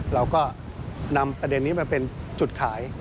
เราก็นำประเด็นนี้มาเป็นจุดขาย